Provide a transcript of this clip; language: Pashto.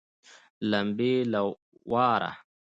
لمبې له واره